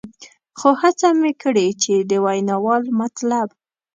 خو هڅه مې کړې چې د ویناوال مطلب.